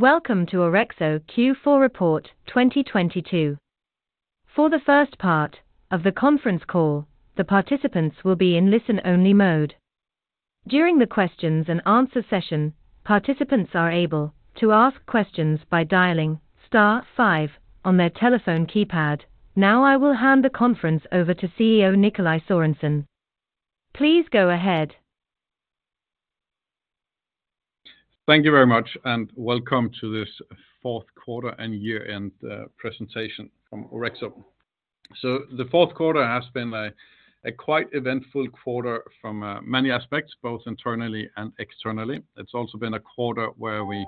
Welcome to Orexo Q4 Report 2022. For the first part of the conference call, the participants will be in listen-only mode. During the questions and answer session, participants are able to ask questions by dialing star five on their telephone keypad. Now, I will hand the conference over to CEO Nikolaj Sørensen. Please go ahead. Thank you very much, and welcome to this fourth quarter and year-end presentation from Orexo. The fourth quarter has been a quite eventful quarter from many aspects, both internally and externally. It's also been a quarter where we,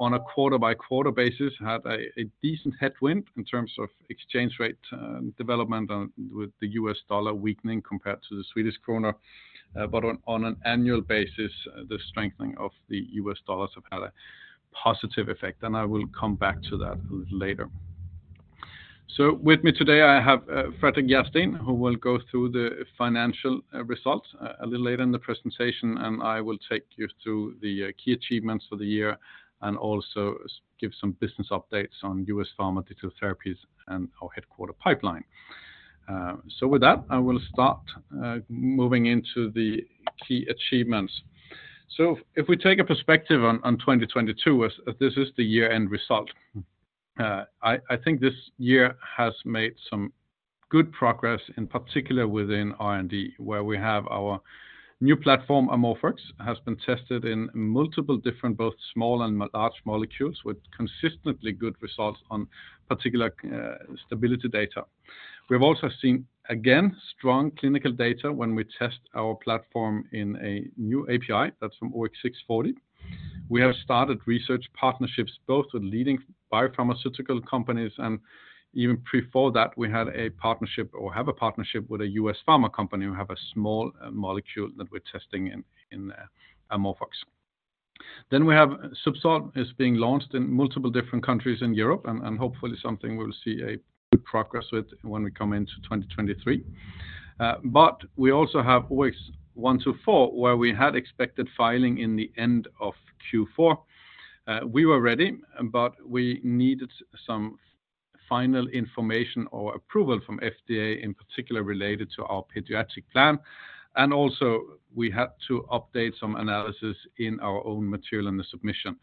on a quarter-by-quarter basis, had a decent headwind in terms of exchange rate development with the US dollar weakening compared to the Swedish krona. But on an annual basis, the strengthening of the US dollar have had a positive effect, and I will come back to that a little later. With me today, I have Fredrik Järrsten, who will go through the financial results a little later in the presentation, and I will take you through the key achievements for the year and also give some business updates on US Pharma, Digital Therapies, and our headquarter pipeline. With that, I will start moving into the key achievements. If we take a perspective on 2022, as this is the year-end result, I think this year has made some good progress, in particular within R&D, where we have our new platform, AmorphX, has been tested in multiple different, both small and large molecules with consistently good results on particular stability data. We have also seen, again, strong clinical data when we test our platform in a new API, that's from OX640. We have started research partnerships both with leading biopharmaceutical companies and even before that, we had a partnership, or have a partnership with a U.S. pharma company who have a small molecule that we're testing in AmorphX. We have ZUBSOLV is being launched in multiple different countries in Europe and hopefully something we'll see a good progress with when we come into 2023. We also have OX124, where we had expected filing in the end of Q4. We were ready, but we needed some final information or approval from FDA, in particular related to our pediatric plan. Also, we had to update some analysis in our own material in the submission.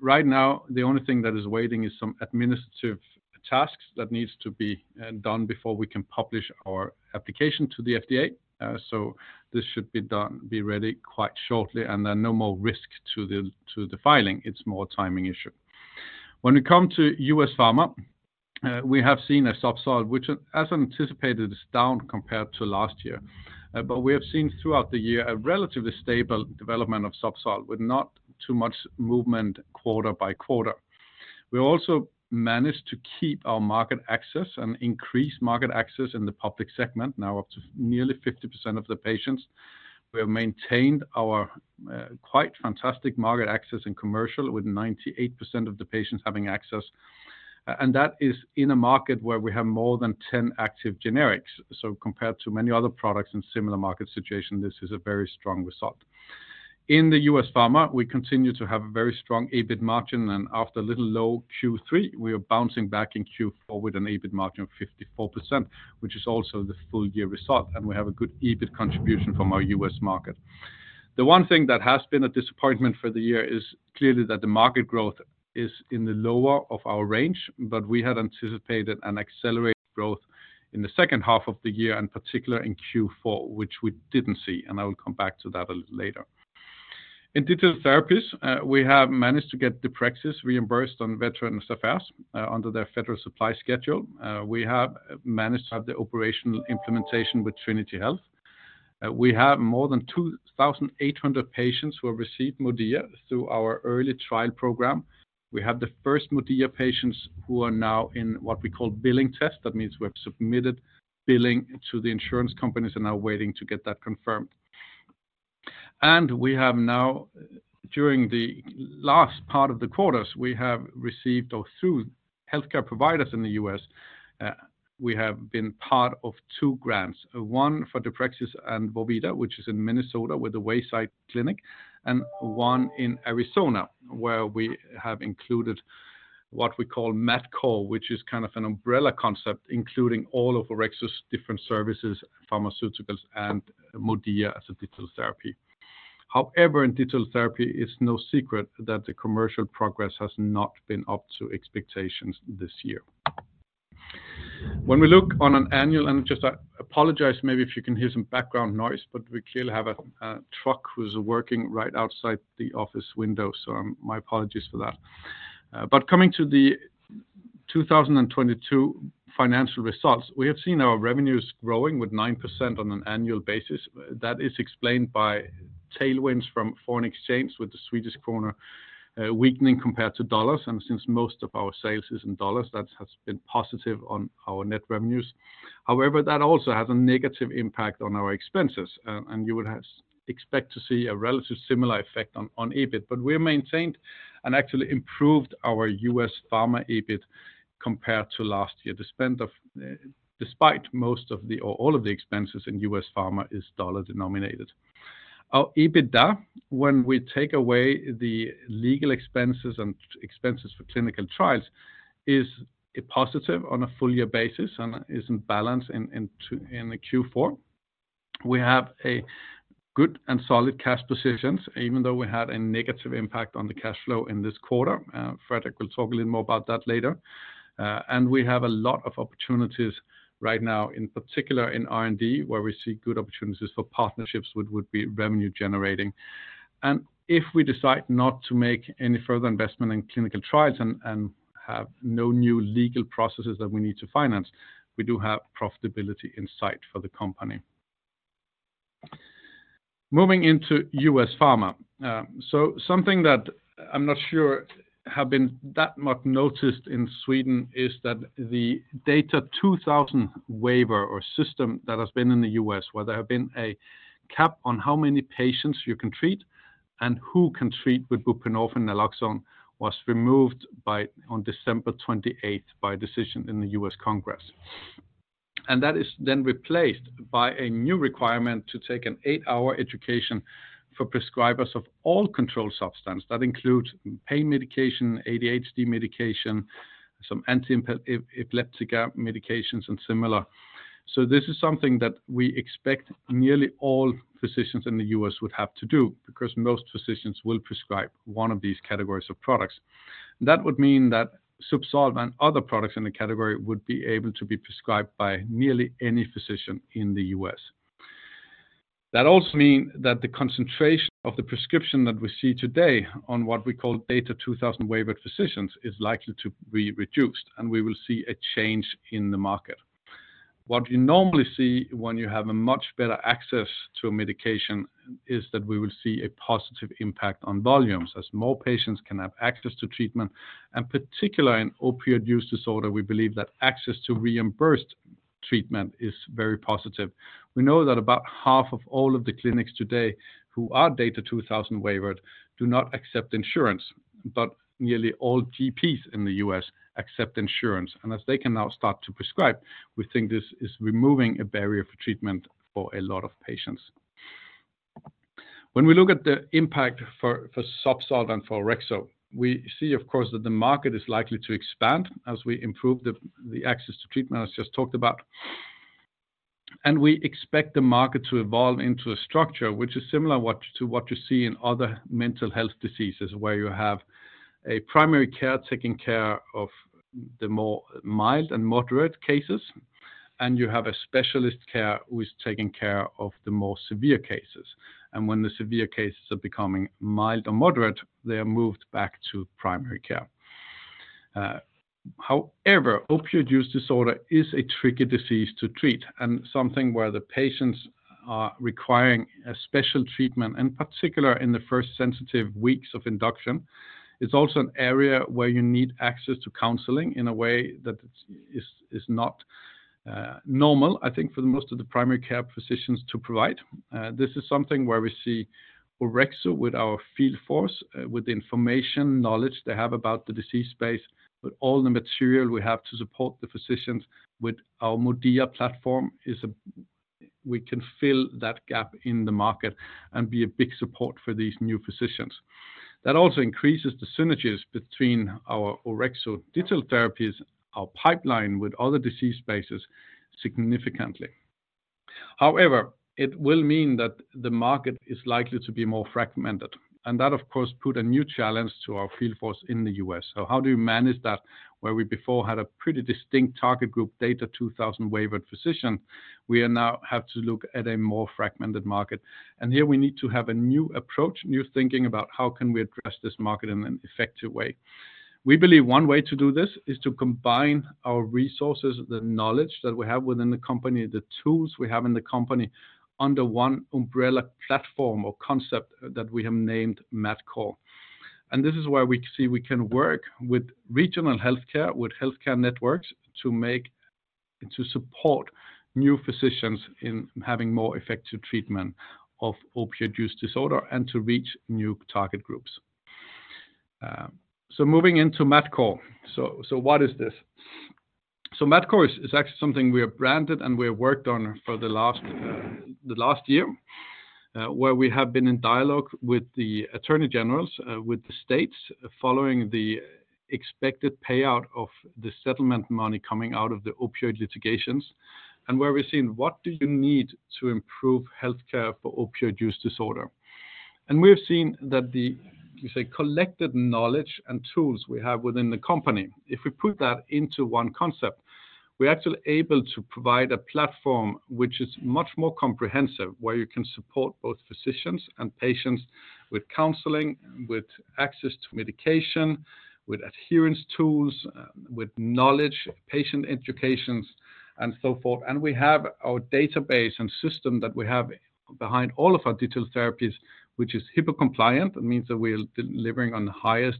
Right now, the only thing that is waiting is some administrative tasks that needs to be done before we can publish our application to the FDA. This should be done, be ready quite shortly, and there are no more risk to the filing. It's more timing issue. When we come to U.S. Pharma, we have seen a ZUBSOLV which, as anticipated, is down compared to last year. We have seen throughout the year a relatively stable development of ZUBSOLV with not too much movement quarter by quarter. We also managed to keep our market access and increase market access in the public segment, now up to nearly 50% of the patients. We have maintained our quite fantastic market access in commercial, with 98% of the patients having access, and that is in a market where we have more than 10 active generics. Compared to many other products in similar market situation, this is a very strong result. In the U.S. Pharma, we continue to have a very strong EBIT margin. After a little low Q3, we are bouncing back in Q4 with an EBIT margin of 54%, which is also the full year result. We have a good EBIT contribution from our U.S. market. The one thing that has been a disappointment for the year is clearly that the market growth is in the lower of our range. We had anticipated an accelerated growth in the second half of the year, particularly in Q4, which we didn't see. I will come back to that a little later. In Digital Therapies, we have managed to get Deprexis reimbursed on Veterans Affairs under their federal supply schedule. We have managed to have the operational implementation with Trinity Health. We have more than 2,800 patients who have received MODIA through our early trial program. We have the first MODIA patients who are now in what we call billing test. That means we have submitted billing to the insurance companies and are waiting to get that confirmed. We have now, during the last part of the quarters, we have received or through healthcare providers in the U.S., we have been part of 2 grants. 1 for Deprexis and Vorvida, which is in Minnesota with the Wayside Recovery Center, and 1 in Arizona, where we have included what we call MatCor, which is kind of an umbrella concept including all of Orexo's different services, pharmaceuticals and MODIA as a digital therapy. However, in digital therapy, it's no secret that the commercial progress has not been up to expectations this year. When we look on an annual... Just, I apologize, maybe if you can hear some background noise, but we clearly have a truck who's working right outside the office window, so, my apologies for that. Coming to the 2022 financial results, we have seen our revenues growing with 9% on an annual basis. That is explained by tailwinds from foreign exchange with the Swedish krona weakening compared to $. Since most of our sales is in $, that has been positive on our net revenues. However, that also has a negative impact on our expenses, and you would have expect to see a relative similar effect on EBIT, but we maintained and actually improved our U.S. pharma EBIT compared to last year. Despite most of the or all of the expenses in U.S. pharma is dollar-denominated. Our EBITDA, when we take away the legal expenses and expenses for clinical trials, is a positive on a full year basis and is in balance in the Q4. We have a good and solid cash positions, even though we had a negative impact on the cash flow in this quarter. Fredrik will talk a little more about that later. We have a lot of opportunities right now, in particular in R&D, where we see good opportunities for partnerships would be revenue generating. If we decide not to make any further investment in clinical trials and have no new legal processes that we need to finance, we do have profitability in sight for the company. Moving into U.S. Pharma. Something that I'm not sure have been that much noticed in Sweden is that the DATA 2000 waiver or system that has been in the U.S., where there have been a cap on how many patients you can treat and who can treat with buprenorphine and naloxone, was removed on December 28th by decision in the U.S. Congress. That is replaced by a new requirement to take an 8-hour education for prescribers of all controlled substance. That includes pain medication, ADHD medication, some anti-epileptic medications and similar. This is something that we expect nearly all physicians in the U.S. would have to do because most physicians will prescribe 1 of these categories of products. That would mean that ZUBSOLV and other products in the category would be able to be prescribed by nearly any physician in the U.S. That also mean that the concentration of the prescription that we see today on what we call DATA 2000 waivered physicians is likely to be reduced, and we will see a change in the market. What you normally see when you have a much better access to a medication is that we will see a positive impact on volumes as more patients can have access to treatment, and particularly in opioid use disorder, we believe that access to reimbursed treatment is very positive. We know that about half of all of the clinics today who are DATA 2000 waivered do not accept insurance, but nearly all GPs in the U.S. accept insurance, and as they can now start to prescribe, we think this is removing a barrier for treatment for a lot of patients. When we look at the impact for ZUBSOLV and for Orexo, we see of course that the market is likely to expand as we improve the access to treatment I just talked about. And we expect the market to evolve into a structure which is similar to what you see in other mental health diseases, where you have a primary care taking care of the more mild and moderate cases, and you have a specialist care who is taking care of the more severe cases. And when the severe cases are becoming mild or moderate, they are moved back to primary care. However, opioid use disorder is a tricky disease to treat and something where the patients are requiring a special treatment, in particular in the first sensitive weeks of induction. It's also an area where you need access to counseling in a way that is not normal, I think, for the most of the primary care physicians to provide. This is something where we see Orexo with our field force, with the information, knowledge they have about the disease space, with all the material we have to support the physicians with our MODIA platform. We can fill that gap in the market and be a big support for these new physicians. That also increases the synergies between our Orexo digital therapies, our pipeline with other disease spaces significantly. However, it will mean that the market is likely to be more fragmented, that of course put a new challenge to our field force in the U.S. How do you manage that, where we before had a pretty distinct target group DATA 2000 waivered physician, we are now have to look at a more fragmented market? Here we need to have a new approach, new thinking about how can we address this market in an effective way. We believe one way to do this is to combine our resources, the knowledge that we have within the company, the tools we have in the company under one umbrella platform or concept that we have named Medcor. This is where we see we can work with regional healthcare, with healthcare networks to support new physicians in having more effective treatment of Opioid Use Disorder and to reach new target groups. moving into Medcor. What is this? Medcor is actually something we have branded and we have worked on for the last year, where we have been in dialogue with the attorney generals, with the states following the expected payout of the settlement money coming out of the opioid litigations and where we've seen what do you need to improve healthcare for Opioid Use Disorder. We have seen that the, you say, collected knowledge and tools we have within the company, if we put that into one concept, we're actually able to provide a platform which is much more comprehensive, where you can support both physicians and patients with counseling, with access to medication, with adherence tools, with knowledge, patient educations, and so forth. We have our database and system that we have behind all of our digital therapies, which is HIPAA compliant. That means that we are delivering on the highest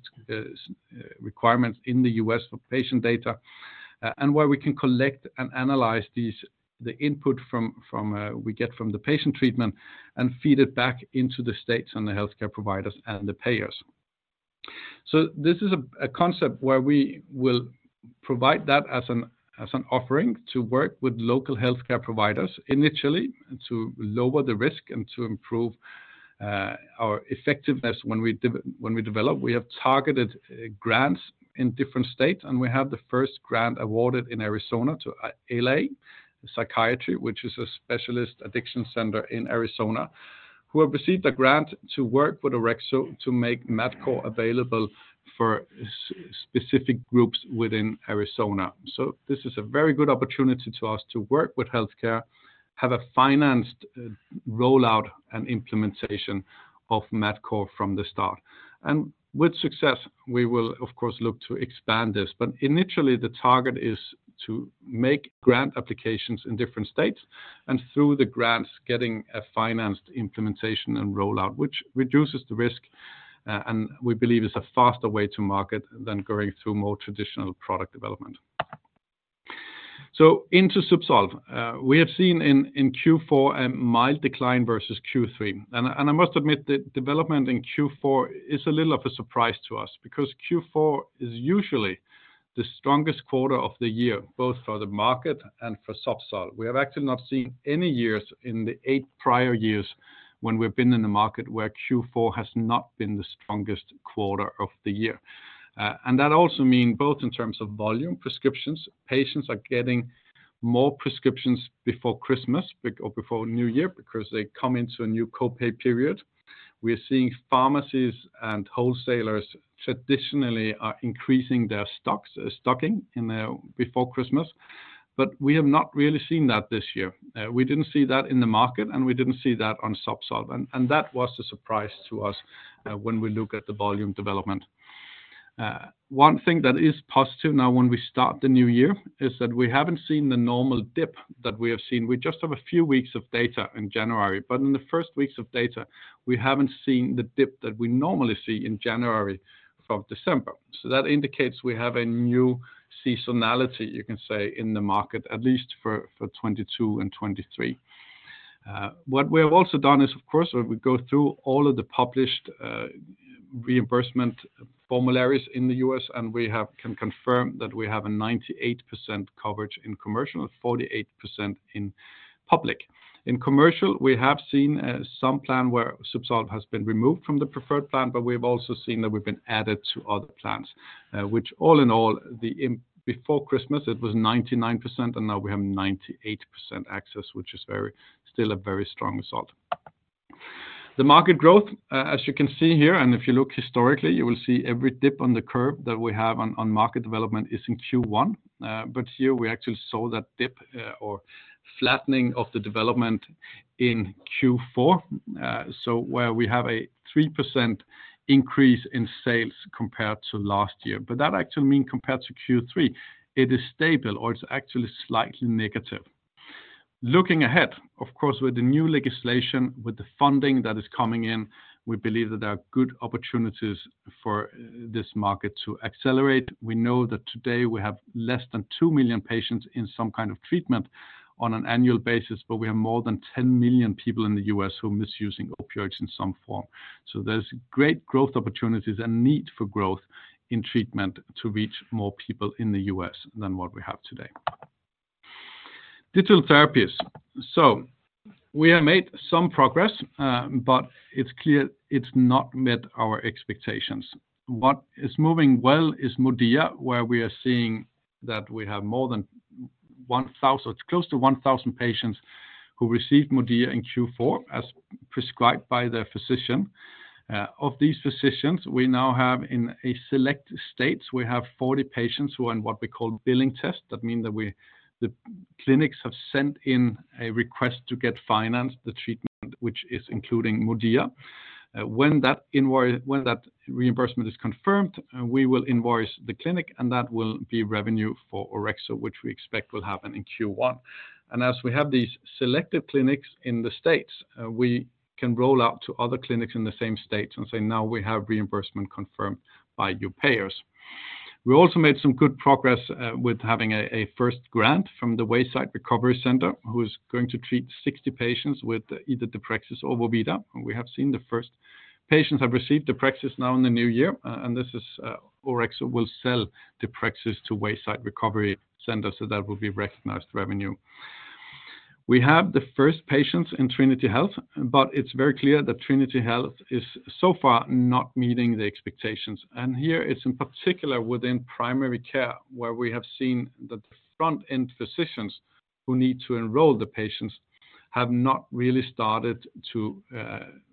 requirements in the U.S. for patient data, and where we can collect and analyze these, the input from we get from the patient treatment and feed it back into the states and the healthcare providers and the payers. This is a concept where we will provide that as an offering to work with local healthcare providers initially to lower the risk and to improve our effectiveness when we develop. We have targeted grants in different states. We have the first grant awarded in Arizona to L.A. Psychiatry, which is a specialist addiction center in Arizona, who have received a grant to work with Orexo to make MODIA available for specific groups within Arizona. This is a very good opportunity to us to work with healthcare, have a financed rollout and implementation of MODIA from the start. With success, we will of course, look to expand this, but initially the target is to make grant applications in different states and through the grants, getting a financed implementation and rollout, which reduces the risk, and we believe is a faster way to market than going through more traditional product development. Into ZUBSOLV, we have seen in Q4 a mild decline versus Q3. I must admit the development in Q4 is a little of a surprise to us because Q4 is usually the strongest quarter of the year, both for the market and for ZUBSOLV. We have actually not seen any years in the eight prior years when we've been in the market where Q4 has not been the strongest quarter of the year. That also mean both in terms of volume prescriptions, patients are getting more prescriptions before Christmas or before New Year because they come into a new co-pay period. We are seeing pharmacies and wholesalers traditionally are increasing their stocks, stocking before Christmas, but we have not really seen that this year. We didn't see that in the market, and we didn't see that on ZUBSOLV, and that was a surprise to us when we look at the volume development. One thing that is positive now when we start the new year is that we haven't seen the normal dip that we have seen. We just have a few weeks of data in January, but in the first weeks of data, we haven't seen the dip that we normally see in January from December. That indicates we have a new seasonality, you can say, in the market, at least for 2022 and 2023. What we have also done is, of course, we go through all of the published reimbursement formularies in the US, and we can confirm that we have a 98% coverage in commercial, 48% in public. In commercial, we have seen some plan where ZUBSOLV has been removed from the preferred plan, but we have also seen that we've been added to other plans. Which all in all before Christmas it was 99%, and now we have 98% access, which is still a very strong result. The market growth, as you can see here, and if you look historically, you will see every dip on the curve that we have on market development is in Q1. But here we actually saw that dip or flattening of the development in Q4. Where we have a 3% increase in sales compared to last year. That actually mean compared to Q3, it is stable or it's actually slightly negative. Looking ahead, of course, with the new legislation, with the funding that is coming in, we believe that there are good opportunities for this market to accelerate. We know that today we have less than 2 million patients in some kind of treatment on an annual basis, but we have more than 10 million people in the US who are misusing opioids in some form. There's great growth opportunities and need for growth in treatment to reach more people in the US than what we have today. Digital therapies. We have made some progress, but it's clear it's not met our expectations. What is moving well is MODIA, where we are seeing that It's close to 1,000 patients who received MODIA in Q4 as prescribed by their physician. Of these physicians, we now have in a select states, we have 40 patients who are in what we call billing test. That mean that the clinics have sent in a request to get financed the treatment, which is including MODIA. When that reimbursement is confirmed, we will invoice the clinic, and that will be revenue for Orexo, which we expect will happen in Q1. As we have these selected clinics in the States, we can roll out to other clinics in the same state and say, "Now we have reimbursement confirmed by your payers." We also made some good progress with having a first grant from the Wayside Recovery Center, who is going to treat 60 patients with either Deprexis or Vorvida. We have seen the first patients have received Deprexis now in the new year. This is Orexo will sell Deprexis to Wayside Recovery Center, that will be recognized revenue. We have the first patients in Trinity Health, it's very clear that Trinity Health is so far not meeting the expectations. Here it's in particular within primary care where we have seen that the front-end physicians who need to enroll the patients have not really started to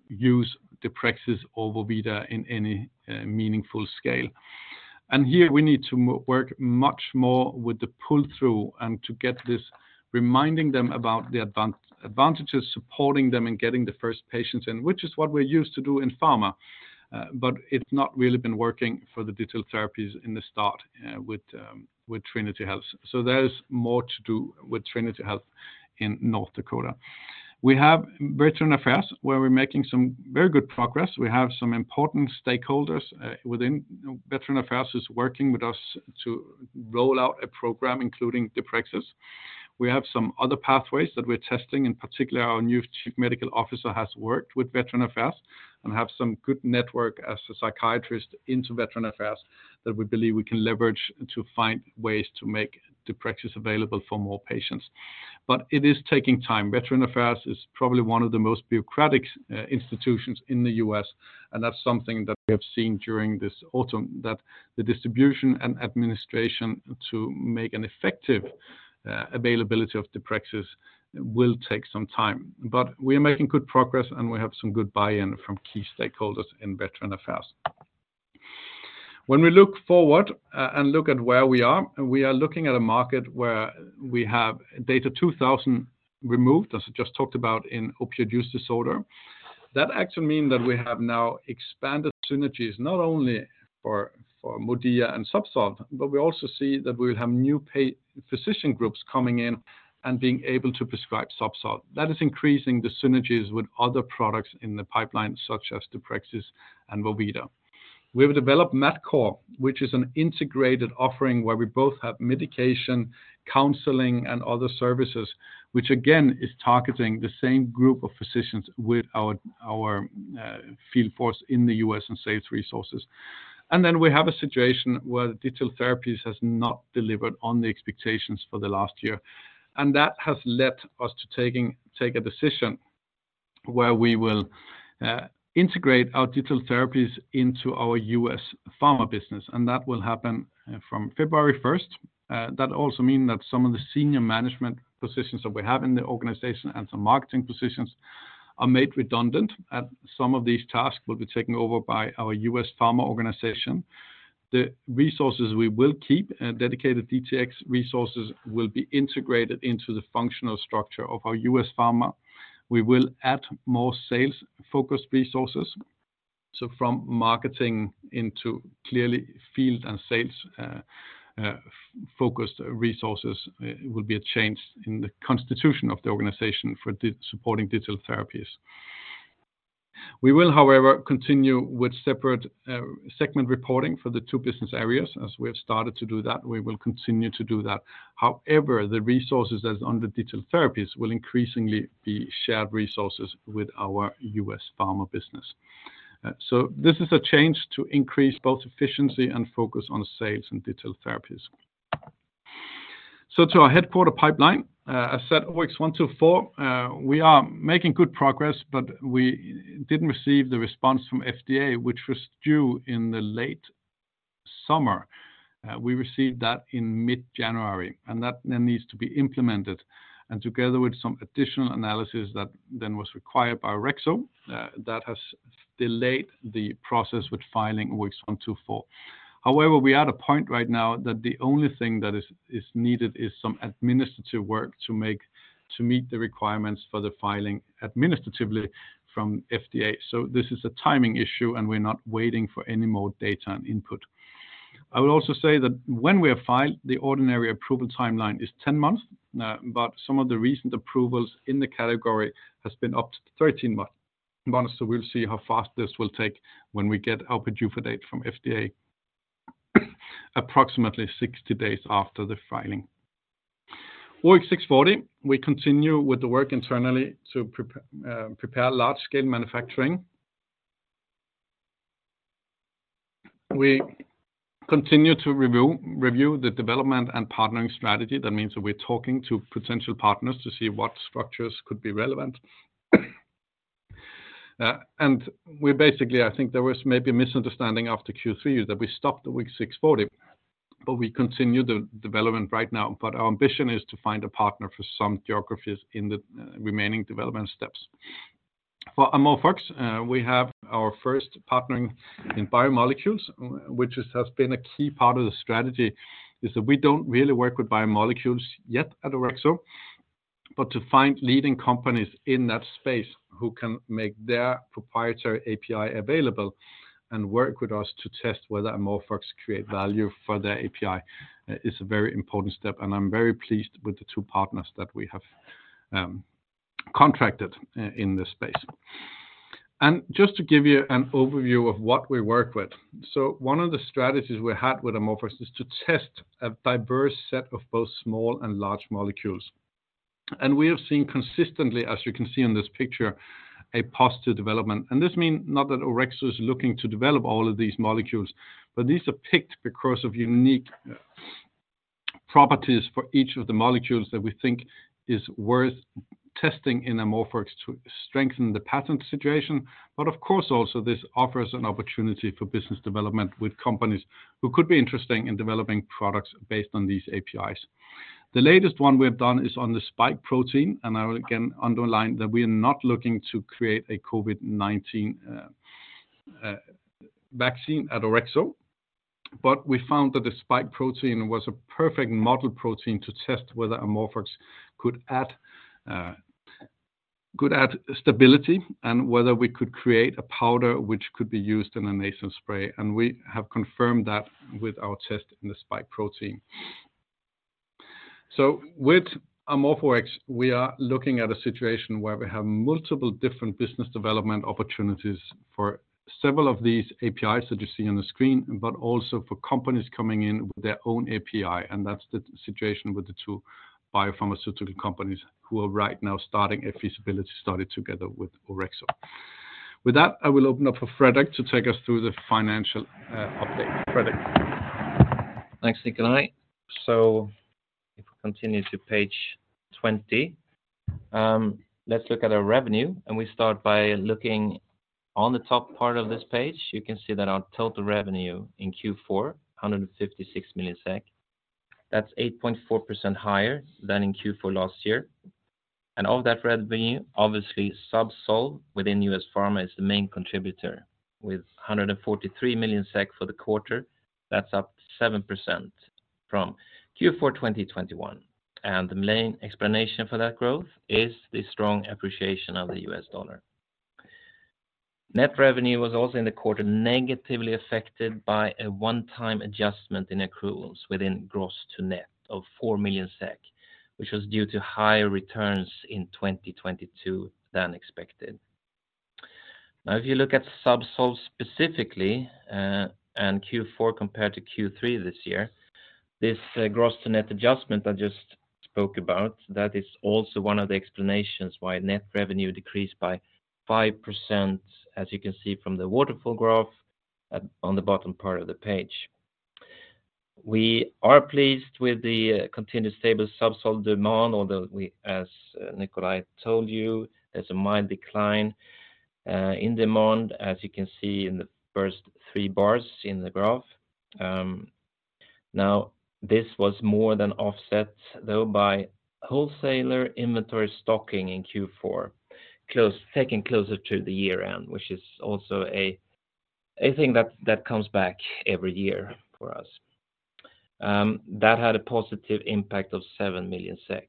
use Deprexis or Vorvida in any meaningful scale. Here we need to work much more with the pull-through and to get this reminding them about the advantages, supporting them in getting the first patients in, which is what we're used to do in pharma. It's not really been working for the digital therapies in the start with Trinity Health. There is more to do with Trinity Health in North Dakota. We have Veteran Affairs, where we're making some very good progress. We have some important stakeholders, within Veteran Affairs is working with us to roll out a program, including deprexis. We have some other pathways that we're testing. In particular, our new chief medical officer has worked with Veteran Affairs and have some good network as a psychiatrist into Veteran Affairs that we believe we can leverage to find ways to make deprexis available for more patients. It is taking time. Veteran Affairs is probably one of the most bureaucratic institutions in the U.S., and that's something that we have seen during this autumn, that the distribution and administration to make an effective availability of Deprexis will take some time. We are making good progress, and we have some good buy-in from key stakeholders in Veteran Affairs. When we look forward and look at where we are, we are looking at a market where we have data 2,000 removed, as I just talked about in opioid use disorder. That actually mean that we have now expanded synergies not only for MODIA and ZUBSOLV, but we also see that we will have new physician groups coming in and being able to prescribe ZUBSOLV. That is increasing the synergies with other products in the pipeline, such as Deprexis and Vorvida. We've developed Medcor, which is an integrated offering where we both have medication, counseling, and other services, which again, is targeting the same group of physicians with our field force in the U.S. and sales resources. We have a situation where digital therapies has not delivered on the expectations for the last year. That has led us to take a decision where we will integrate our digital therapies into our U.S. Pharma business, and that will happen from February 1st. That also mean that some of the senior management positions that we have in the organization and some marketing positions are made redundant. Some of these tasks will be taken over by our U.S. Pharma Organization. The resources we will keep, dedicated DTx resources, will be integrated into the functional structure of our U.S. Pharma. We will add more sales-focused resources, so from marketing into clearly field and sales focused resources, will be a change in the constitution of the organization for supporting digital therapies. We will, however, continue with separate segment reporting for the two business areas. As we have started to do that, we will continue to do that. The resources that's under digital therapies will increasingly be shared resources with our U.S. pharma business. This is a change to increase both efficiency and focus on sales and digital therapies. To our headquarter pipeline asset OX124, we are making good progress, but we didn't receive the response from FDA which was due in the late summer. We received that in mid-January, that then needs to be implemented. Together with some additional analysis that then was required by Orexo, that has delayed the process with filing OX124. We are at a point right now that the only thing that is needed is some administrative work to meet the requirements for the filing administratively from FDA. This is a timing issue, and we're not waiting for any more data and input. I will also say that when we have filed, the ordinary approval timeline is 10 months. Some of the recent approvals in the category has been up to 13 months, so we'll see how fast this will take when we get our PDUFA date from FDA, approximately 60 days after the filing. OX640, we continue with the work internally to prepare large scale manufacturing. We continue to review the development and partnering strategy. That means that we're talking to potential partners to see what structures could be relevant. We basically, I think there was maybe a misunderstanding after Q3 that we stopped the OX640, but we continue the development right now. Our ambition is to find a partner for some geographies in the remaining development steps. For AmorphX, we have our first partnering in biomolecules, which has been a key part of the strategy, is that we don't really work with biomolecules yet at Orexo. To find leading companies in that space who can make their proprietary API available and work with us to test whether AmorphX create value for their API is a very important step, and I'm very pleased with the two partners that we have contracted in this space. Just to give you an overview of what we work with. One of the strategies we had with AmorphX is to test a diverse set of both small and large molecules. We have seen consistently, as you can see in this picture, a positive development. This mean not that Orexo is looking to develop all of these molecules, but these are picked because of unique properties for each of the molecules that we think is worth testing in AmorphX to strengthen the patent situation. Of course also this offers an opportunity for business development with companies who could be interested in developing products based on these APIs. I will again underline that we are not looking to create a COVID-19 vaccine at Orexo. We found that the spike protein was a perfect model protein to test whether AmorphX could add stability, and whether we could create a powder which could be used in a nasal spray. We have confirmed that with our test in the spike protein. With AmorphX, we are looking at a situation where we have multiple different business development opportunities for several of these APIs that you see on the screen, but also for companies coming in with their own API. That's the situation with the two biopharmaceutical companies who are right now starting a feasibility study together with Orexo. With that, I will open up for Fredrik to take us through the financial update. Fredrik? Thanks, Nikolai. If we continue to page 20, let's look at our revenue, and we start by looking on the top part of this page. You can see that our total revenue in Q4, 156 million SEK. That's 8.4% higher than in Q4 last year. Of that revenue, obviously, ZUBSOLV within US Pharma is the main contributor with 143 million SEK for the quarter. That's up 7% from Q4 2021. The main explanation for that growth is the strong appreciation of the US dollar. Net revenue was also in the quarter negatively affected by a one-time adjustment in accruals within gross to net of 4 million SEK, which was due to higher returns in 2022 than expected. If you look at ZUBSOLV specifically, and Q4 compared to Q3 this year, this gross to net adjustment I just spoke about, that is also one of the explanations why net revenue decreased by 5%, as you can see from the waterfall graph on the bottom part of the page. We are pleased with the continued stable ZUBSOLV demand, although we, as Nikolaj told you, there's a mild decline in demand, as you can see in the first three bars in the graph. This was more than offset, though, by wholesaler inventory stocking in Q4 taken closer to the year-end, which is also a thing that comes back every year for us. That had a positive impact of 7 million SEK.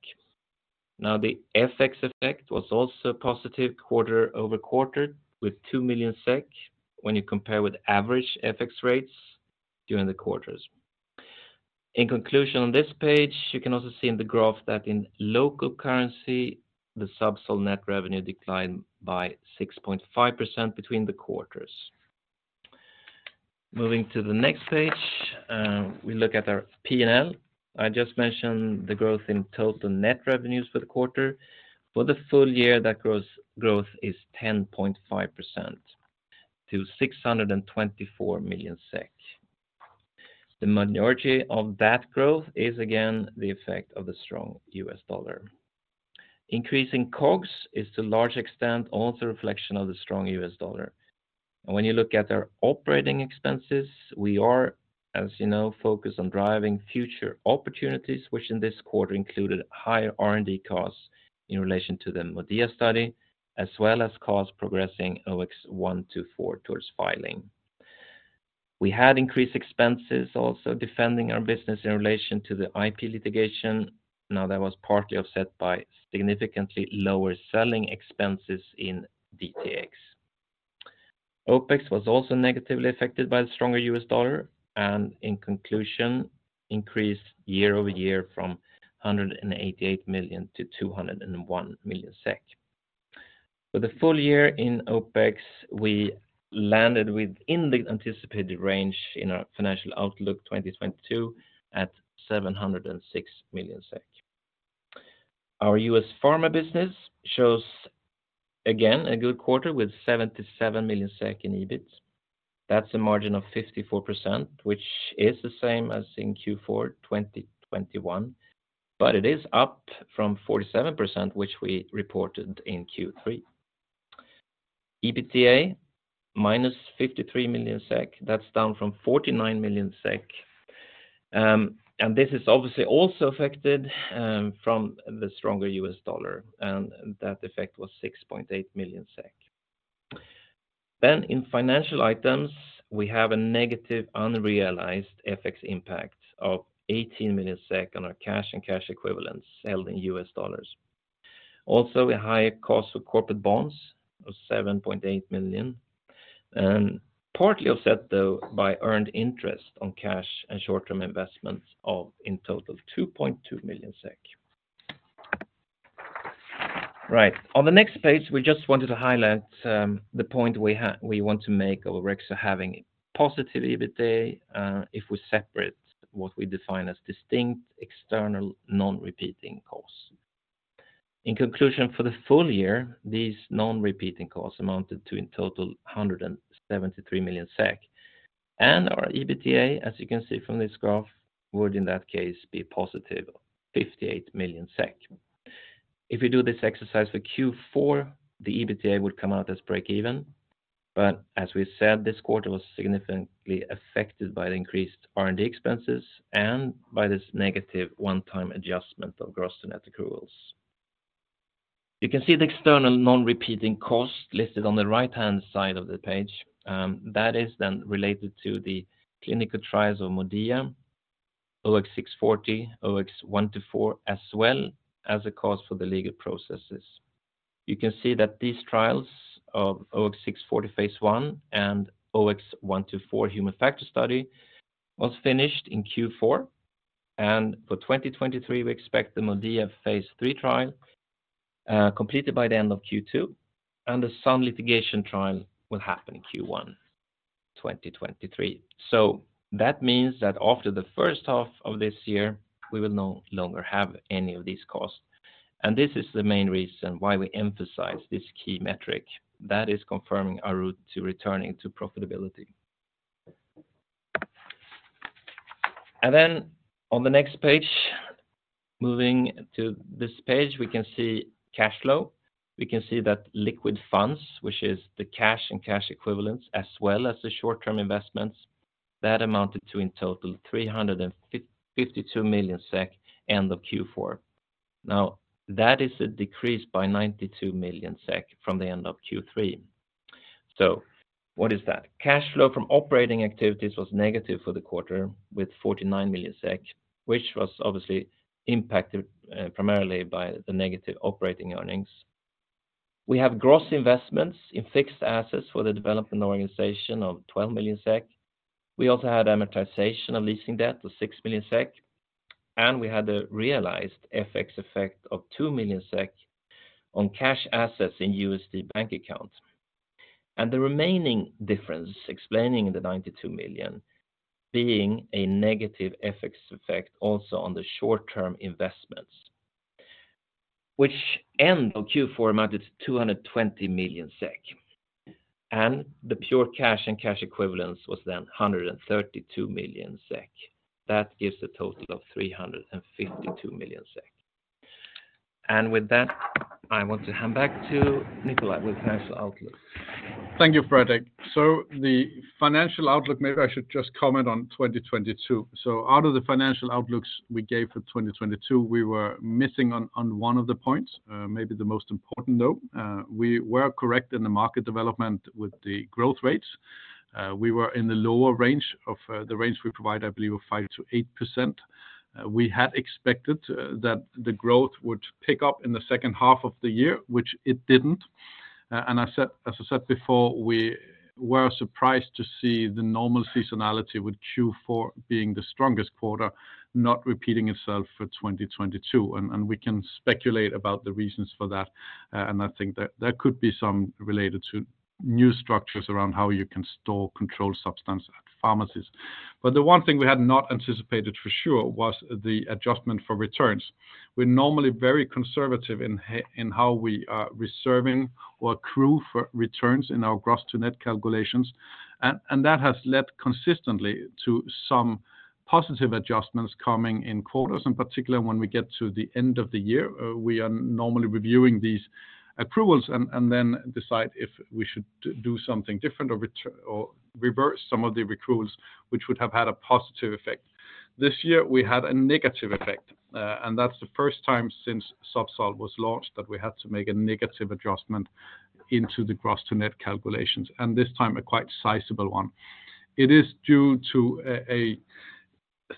The FX effect was also positive quarter-over-quarter with 2 million SEK when you compare with average FX rates during the quarters. In conclusion, on this page, you can also see in the graph that in local currency, the ZUBSOLV net revenue declined by 6.5% between the quarters. Moving to the next page, we look at our P&L. I just mentioned the growth in total net revenues for the quarter. For the full year, that gross growth is 10.5% to 624 million SEK. The majority of that growth is again the effect of the strong US dollar. Increasing COGS is to a large extent also a reflection of the strong US dollar. When you look at our operating expenses, we are, as you know, focused on driving future opportunities, which in this quarter included higher R&D costs in relation to the MODIA study, as well as costs progressing OX124 towards filing. We had increased expenses also defending our business in relation to the IP litigation. That was partly offset by significantly lower selling expenses in DTx. OPEX was also negatively affected by the stronger U.S. dollar. In conclusion, increased year-over-year from 188 million to 201 million SEK. For the full year in OPEX, we landed within the anticipated range in our financial outlook 2022 at 706 million SEK. Our U.S. pharma business shows again a good quarter with 77 million SEK in EBIT. That's a margin of 54%, which is the same as in Q4 2021, but it is up from 47%, which we reported in Q3. EBITDA, -53 million SEK. That's down from 49 million SEK, and this is obviously also affected from the stronger US dollar, and that effect was 6.8 million SEK. In financial items, we have a negative unrealized FX impact of 18 million SEK on our cash and cash equivalents held in US dollars. A higher cost of corporate bonds of 7.8 million SEK, and partly offset, though, by earned interest on cash and short-term investments of in total 2.2 million SEK. Right. On the next page, we just wanted to highlight the point we want to make of Orexo having positive EBITA, if we separate what we define as distinct external non-repeating costs. In conclusion, for the full year, these non-repeating costs amounted to in total 173 million SEK. Our EBITDA, as you can see from this graph, would in that case be positive 58 million SEK. If you do this exercise for Q4, the EBITDA would come out as break even. As we said, this quarter was significantly affected by the increased R&D expenses and by this negative one-time adjustment of gross to net accruals. You can see the external non-repeating cost listed on the right-hand side of the page. That is then related to the clinical trials of MODIA, OX640, OX124, as well as a cost for the legal processes. You can see that these trials of OX640 phase one and OX124 human factor study was finished in Q4. For 2023, we expect the MODIA phase three trial, completed by the end of Q2. The Sun litigation trial will happen in Q1 2023. That means that after the first half of this year, we will no longer have any of these costs. This is the main reason why we emphasize this key metric that is confirming our route to returning to profitability. On the next page, moving to this page, we can see cash flow. We can see that liquid funds, which is the cash and cash equivalents, as well as the short-term investments, that amounted to, in total, 352 million SEK end of Q4. That is a decrease by 92 million SEK from the end of Q3. What is that? Cash flow from operating activities was negative for the quarter with 49 million SEK, which was obviously impacted primarily by the negative operating earnings. We have gross investments in fixed assets for the development organization of 12 million SEK. We also had amortization of leasing debt of 6 million SEK, and we had a realized FX effect of 2 million SEK on cash assets in USD bank accounts. The remaining difference explaining the 92 million being a negative FX effect also on the short-term investments, which end of Q4 amounted to 220 million SEK. The pure cash and cash equivalence was then 132 million SEK. That gives a total of 352 million SEK. With that, I want to hand back to Nikolaj with financial outlook. Thank you, Fredrik. The financial outlook, maybe I should just comment on 2022. Out of the financial outlooks we gave for 2022, we were missing on one of the points, maybe the most important, though. We were correct in the market development with the growth rates. We were in the lower range of the range we provide, I believe, of 5%-8%. We had expected that the growth would pick up in the second half of the year, which it didn't. As I said before, we were surprised to see the normal seasonality with Q4 being the strongest quarter not repeating itself for 2022. We can speculate about the reasons for that. I think there could be some related to new structures around how you can store controlled substance at pharmacies. The one thing we had not anticipated for sure was the adjustment for returns. We're normally very conservative in how we are reserving or accrue for returns in our gross to net calculations. That has led consistently to some positive adjustments coming in quarters. In particular, when we get to the end of the year, we are normally reviewing these accruals and then decide if we should do something different or reverse some of the accruals, which would have had a positive effect. This year we had a negative effect, and that's the first time since ZUBSOLV was launched that we had to make a negative adjustment into the gross to net calculations, and this time a quite sizable one. It is due to a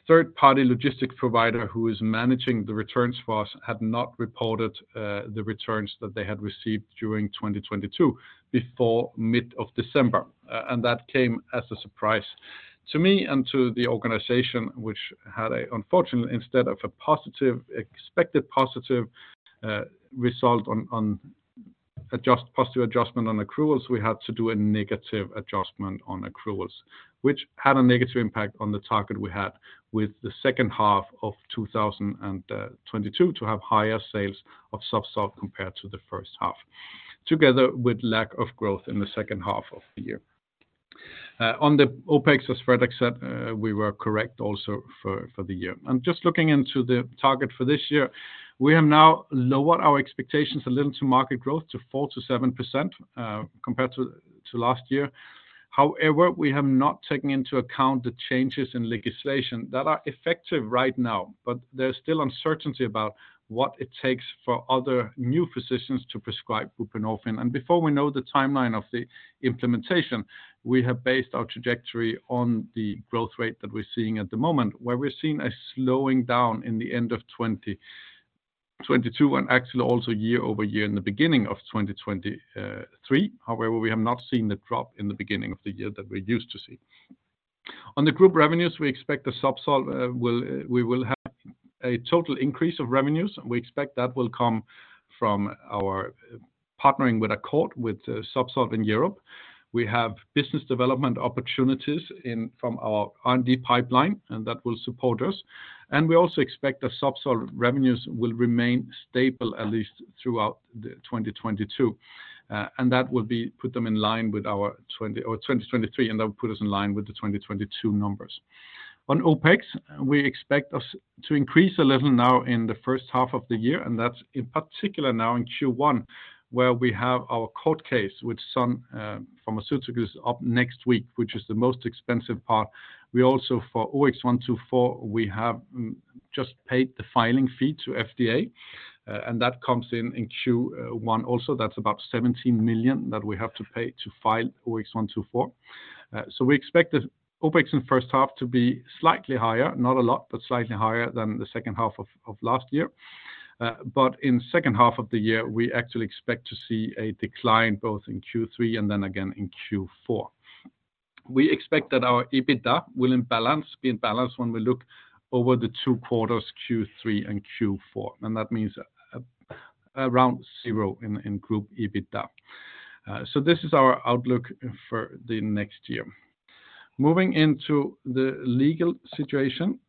third-party logistic provider who is managing the returns for us, had not reported the returns that they had received during 2022, before mid of December. That came as a surprise to me and to the organization. unfortunately, instead of a positive, expected positive result on positive adjustment on accruals, we had to do a negative adjustment on accruals, which had a negative impact on the target we had with the second half of 2022 to have higher sales of ZUBSOLV® compared to the first half, together with lack of growth in the second half of the year. On the OpEx, as Fredrik said, we were correct also for the year. Just looking into the target for this year, we have now lowered our expectations a little to market growth to 4%-7% compared to last year. However, we have not taken into account the changes in legislation that are effective right now, but there's still uncertainty about what it takes for other new physicians to prescribe buprenorphine. Before we know the timeline of the implementation, we have based our trajectory on the growth rate that we're seeing at the moment, where we're seeing a slowing down in the end of 2022 and actually also year-over-year in the beginning of 2023. However, we have not seen the drop in the beginning of the year that we used to see. On the group revenues, we expect ZUBSOLV will have a total increase of revenues. We expect that will come from our partnering with Akot, with ZUBSOLV in Europe. We have business development opportunities from our R&D pipeline, that will support us. We also expect that ZUBSOLV revenues will remain stable at least throughout the 2022. That will be... put them in line with our 2023. That will put us in line with the 2022 numbers. On OpEx, we expect us to increase a little now in the first half of the year. That's in particular now in Q1. Where we have our court case with Sun Pharmaceuticals up next week, which is the most expensive part. We also for OX124, we have just paid the filing fee to FDA. That comes in Q1 also. That's about 17 million that we have to pay to file OX124. We expect that OpEx in first half to be slightly higher, not a lot, but slightly higher than the second half of last year. In second half of the year, we actually expect to see a decline both in Q3 and then again in Q4. We expect that our EBITDA will be in balance when we look over the 2 quarters, Q3 and Q4, and that means around zero in group EBITDA. This is our outlook for the next year. Moving into the legal situation.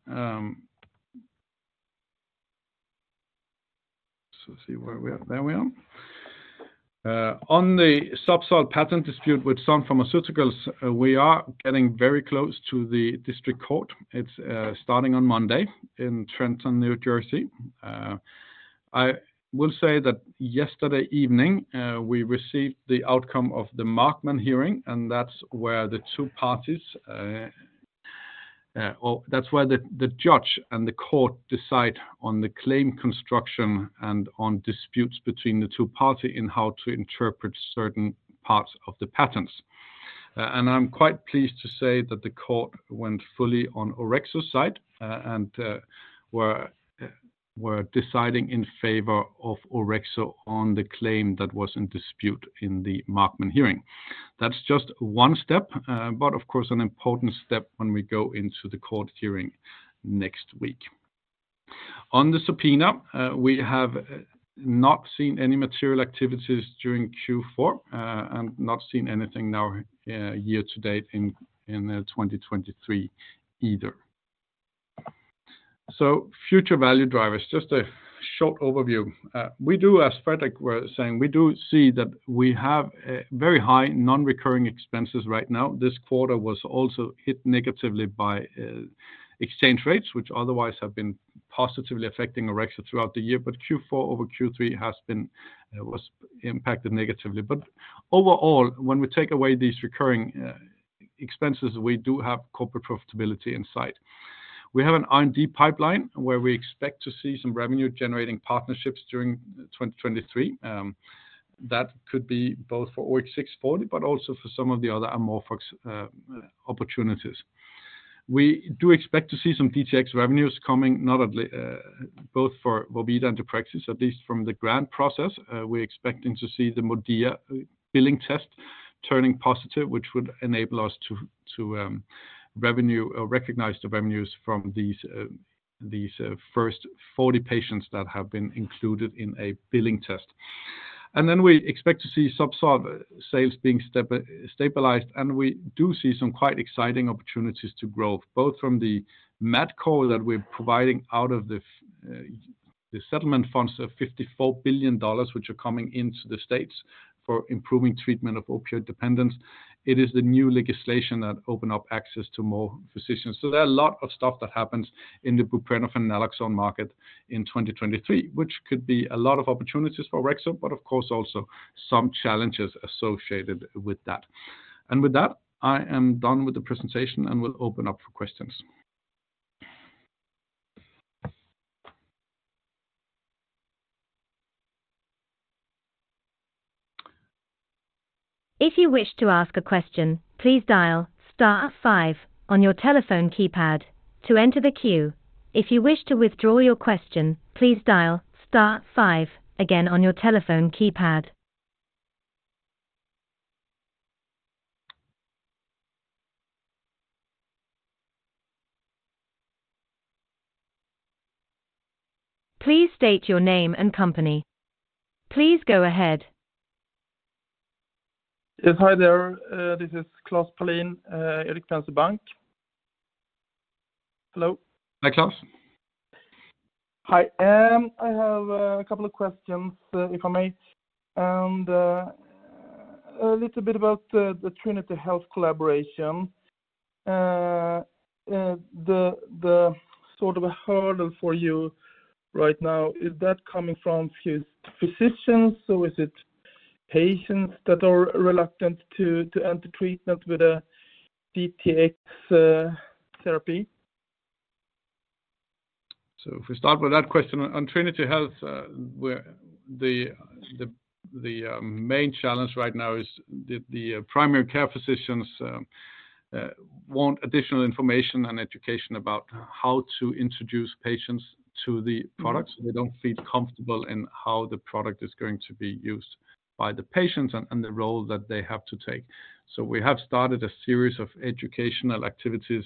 See where we are. There we are. On the ZUBSOLV patent dispute with Sun Pharmaceuticals, we are getting very close to the district court. It's starting on Monday in Trenton, New Jersey. I will say that yesterday evening, we received the outcome of the Markman hearing. That's where the two party, or that's where the judge and the court decide on the claim construction and on disputes between the two party in how to interpret certain parts of the patents. I'm quite pleased to say that the court went fully on Orexo's side, and were deciding in favor of Orexo on the claim that was in dispute in the Markman hearing. That's just one step, of course, an important step when we go into the court hearing next week. On the subpoena, we have not seen any material activities during Q4, and not seen anything now year to date in 2023 either. Future value drivers, just a short overview. we do, as Fredrik was saying, we do see that we have very high non-recurring expenses right now. This quarter was also hit negatively by exchange rates, which otherwise have been positively affecting Orexo throughout the year. Q4 over Q3 was impacted negatively. Overall, when we take away these recurring expenses, we do have corporate profitability in sight. We have an R&D pipeline where we expect to see some revenue generating partnerships during 2023. That could be both for OX640 but also for some of the other amorphous opportunities. We do expect to see some DTx revenues coming, not only both for Vorvida and Deprexis, at least from the grant process. We're expecting to see the MODIA billing test turning positive which would enable us to revenue or recognize the revenues from these first 40 patients that have been included in a billing test. We expect to see ZUBSOLV sales being stabilized, and we do see some quite exciting opportunities to grow both from the MatCor that we're providing out of the settlement funds of $54 billion, which are coming into the U.S. for improving treatment of opioid dependence. It is the new legislation that open up access to more physicians. There are a lot of stuff that happens in the buprenorphine naloxone market in 2023, which could be a lot of opportunities for Orexo, but of course also some challenges associated with that. With that, I am done with the presentation and will open up for questions. If you wish to ask a question, please dial star five on your telephone keypad to enter the queue. If you wish to withdraw your question, please dial star five again on your telephone keypad. Please state your name and company. Please go ahead. Yes. Hi there. This is Klas Palin, Erik Penser Bank. Hello. Hi, Klas. Hi. I have a couple of questions, if I may, a little bit about the Trinity Health collaboration. The sort of a hurdle for you right now, is that coming from physicians, or is it patients that are reluctant to enter treatment with a DTx therapy? If we start with that question, on Trinity Health, the main challenge right now is the primary care physicians want additional information and education about how to introduce patients to the products. They don't feel comfortable in how the product is going to be used by the patients and the role that they have to take. We have started a series of educational activities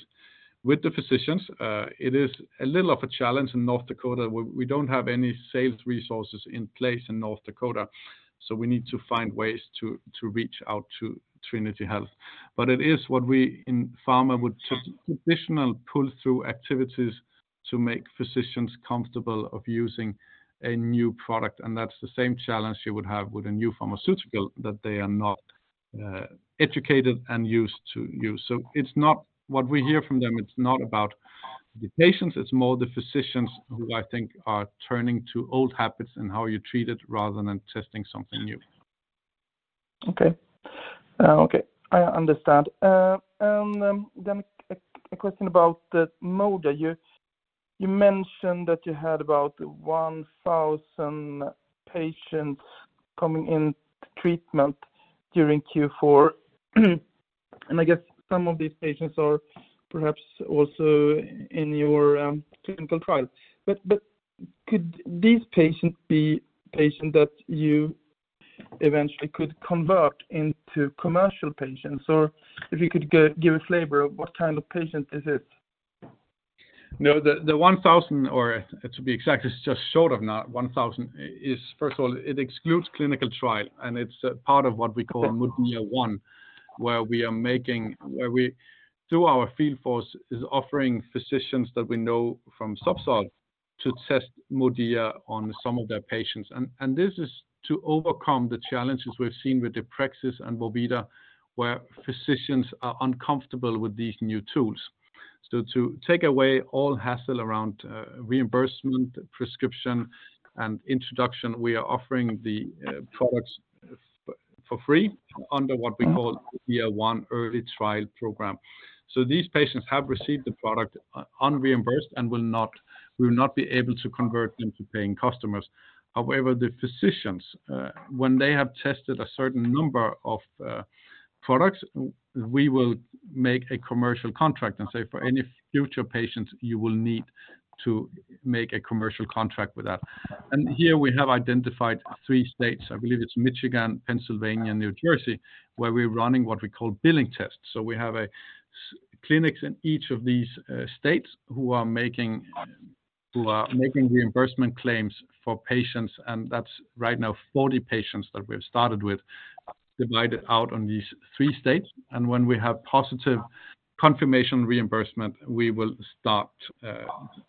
with the physicians. It is a little of a challenge in North Dakota. We don't have any sales resources in place in North Dakota. We need to find ways to reach out to Trinity Health. It is what we in pharma would say traditional pull-through activities to make physicians comfortable of using a new product. That's the same challenge you would have with a new pharmaceutical that they are not educated and used to use. It's not what we hear from them, it's not about the patients, it's more the physicians who I think are turning to old habits and how you treat it rather than testing something new. Okay. Okay, I understand. A question about the MODIA. You mentioned that you had about 1,000 patients coming in treatment during Q4. I guess some of these patients are perhaps also in your clinical trial. Could these patients be patients that you eventually could convert into commercial patients? If you could give a flavor of what kind of patient is it? No, the 1,000, or to be exact, it's just short of now 1,000, is first of all, it excludes clinical trial, and it's part of what we call MODIA one, where we, through our field force, is offering physicians that we know from ZUBSOLV to test MODIA on some of their patients. This is to overcome the challenges we've seen with Deprexis and Vorvida, where physicians are uncomfortable with these new tools. To take away all hassle around reimbursement, prescription, and introduction, we are offering the products for free under what we call MODIA one early trial program. These patients have received the product unreimbursed and will not be able to convert them to paying customers. However, the physicians, when they have tested a certain number of products, we will make a commercial contract and say, "For any future patients, you will need to make a commercial contract with that." Here, we have identified 3 states, I believe it's Michigan, Pennsylvania, and New Jersey, where we're running what we call billing tests. We have clinics in each of these states who are making reimbursement claims for patients, and that's right now 40 patients that we've started with, divided out on these 3 states. When we have positive confirmation reimbursement, we will start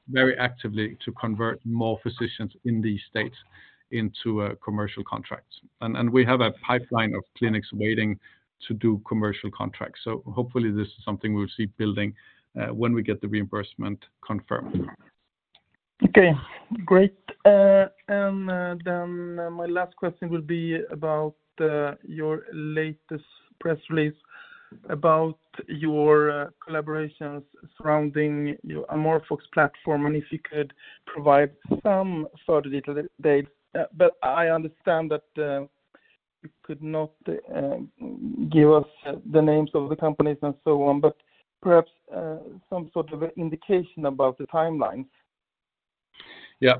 very actively to convert more physicians in these states into commercial contracts. We have a pipeline of clinics waiting to do commercial contracts. Hopefully this is something we'll see building when we get the reimbursement confirmed. Okay, great. Then my last question will be about your latest press release about your collaborations surrounding your AmorphX platform, and if you could provide some sort of little date. I understand that you could not give us the names of the companies and so on, but perhaps some sort of an indication about the timelines.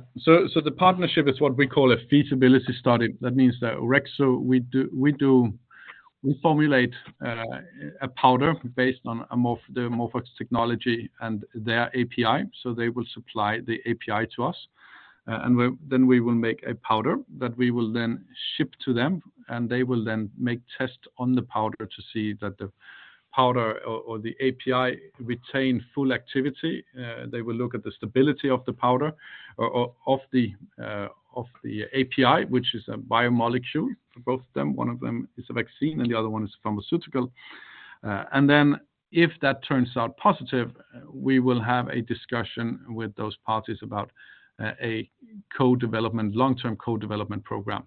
The partnership is what we call a feasibility study. That means that Orexo, we do, we formulate a powder based on the AmorphX technology and their API. They will supply the API to us, and then we will make a powder that we will then ship to them, and they will then make tests on the powder to see that the powder or the API retain full activity. They will look at the stability of the powder or of the API, which is a biomolecule for both of them. One of them is a vaccine, and the other one is pharmaceutical. If that turns out positive, we will have a discussion with those parties about a co-development, long-term co-development program.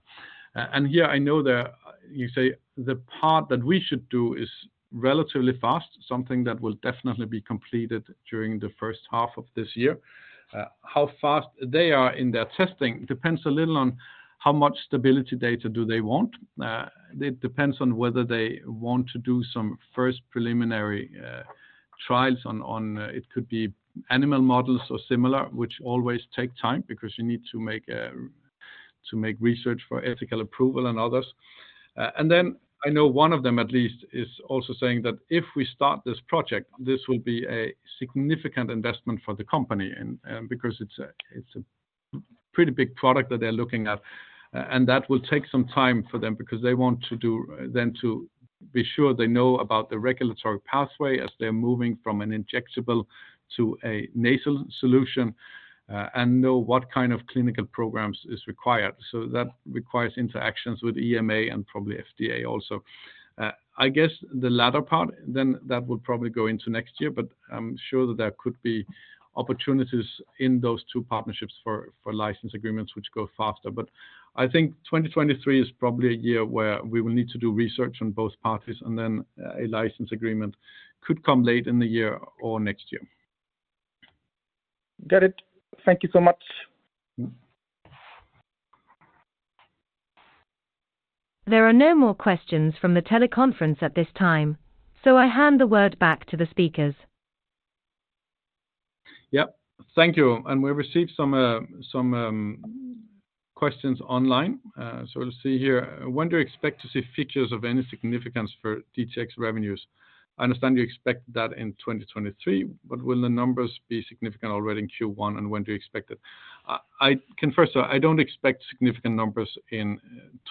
Here I know that you say the part that we should do is relatively fast, something that will definitely be completed during the first half of this year. How fast they are in their testing depends a little on how much stability data do they want. It depends on whether they want to do some first preliminary trials on animal models or similar, which always take time because you need to make research for ethical approval and others. Then I know one of them at least is also saying that if we start this project, this will be a significant investment for the company and because it's a pretty big product that they're looking at. That will take some time for them because they want to do then to be sure they know about the regulatory pathway as they're moving from an injectable to a nasal solution, and know what kind of clinical programs is required. That requires interactions with EMA and probably FDA also. I guess the latter part then that would probably go into next year, but I'm sure that there could be opportunities in those two partnerships for license agreements which go faster. I think 2023 is probably a year where we will need to do research on both parties and then a license agreement could come late in the year or next year. Got it. Thank you so much. Mm-hmm. There are no more questions from the teleconference at this time, so I hand the word back to the speakers. Thank you. We received some questions online. We'll see here. When do you expect to see features of any significance for DTx revenues? I understand you expect that in 2023, but will the numbers be significant already in Q1, and when do you expect it? I can first say, I don't expect significant numbers in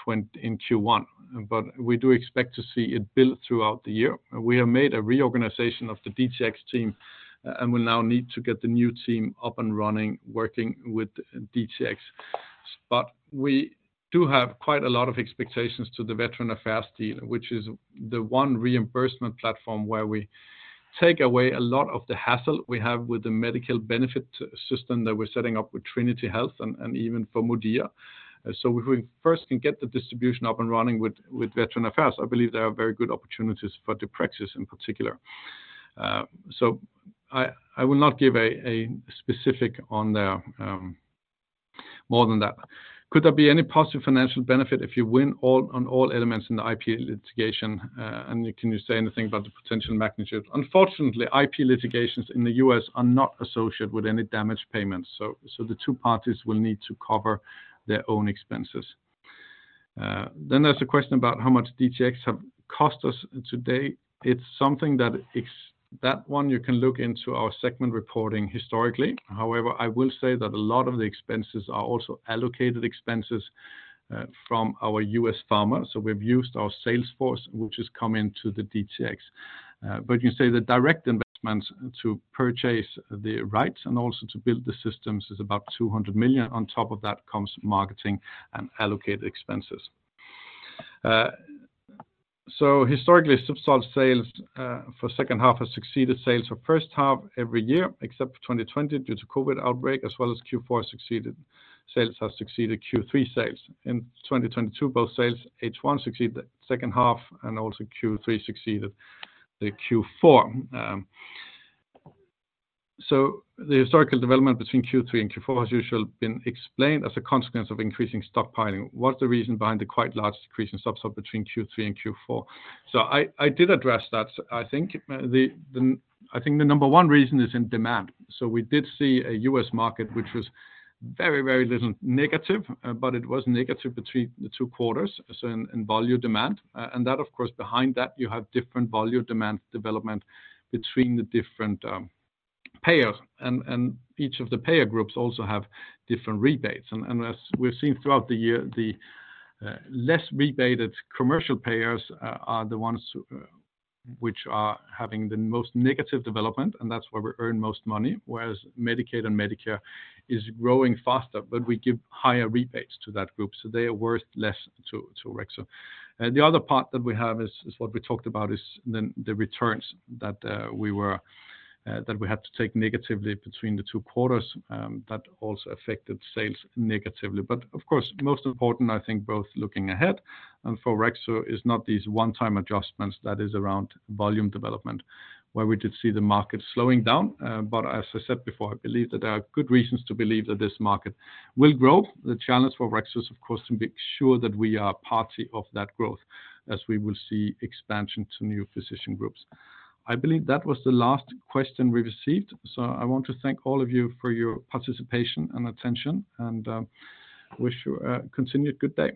Q1, but we do expect to see it build throughout the year. We have made a reorganization of the DTx team, and we now need to get the new team up and running, working with DTx. We do have quite a lot of expectations to the Veterans Affairs deal, which is the one reimbursement platform where we take away a lot of the hassle we have with the medical benefit system that we're setting up with Trinity Health and even for MODIA. If we first can get the distribution up and running with Veterans Affairs, I believe there are very good opportunities for Deprexis in particular. I will not give a specific on there more than that. Could there be any positive financial benefit if you win on all elements in the IP litigation, and can you say anything about the potential magnitude? Unfortunately, IP litigations in the U.S. are not associated with any damage payments, so the two parties will need to cover their own expenses. There's a question about how much DTx have cost us today? It's something that one you can look into our segment reporting historically. However, I will say that a lot of the expenses are also allocated expenses from our U.S. pharma. We've used our sales force, which has come into the DTx. You say the direct investments to purchase the rights and also to build the systems is about 200 million. On top of that comes marketing and allocated expenses. Historically, ZUBSOLV sales for second half has succeeded sales for first half every year, except for 2020 due to COVID outbreak, as well as Q4 succeeded. Sales have succeeded Q3 sales. In 2022, both sales H1 succeeded second half and also Q3 succeeded the Q4. The historical development between Q3 and Q4 has usually been explained as a consequence of increasing stockpiling. What's the reason behind the quite large decrease in ZUBSOLV between Q3 and Q4? I did address that. I think the number 1 reason is in demand. We did see a U.S. market which was very little negative, but it was negative between the two quarters as in volume demand. That, of course, behind that, you have different volume demand development between the different payers. Each of the payer groups also have different rebates. As we've seen throughout the year, the less rebated commercial payers are the ones which are having the most negative development, and that's where we earn most money, whereas Medicaid and Medicare is growing faster, but we give higher rebates to that group, so they are worth less to Orexo. The other part that we have is what we talked about is the returns that we were that we had to take negatively between the two quarters. That also affected sales negatively. Of course, most important, I think, both looking ahead and for Orexo is not these one-time adjustments that is around volume development, where we did see the market slowing down. As I said before, I believe that there are good reasons to believe that this market will grow. The challenge for Orexo is, of course, to make sure that we are part of that growth as we will see expansion to new physician groups. I believe that was the last question we received. I want to thank all of you for your participation and attention, and wish you a continued good day.